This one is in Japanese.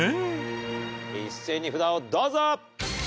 一斉に札をどうぞ！